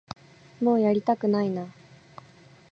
もうやりたくないな